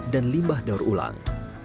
dan limbah daur ulang